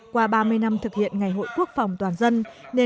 qua ba mươi năm thực hiện ngày hội quốc phòng toàn dân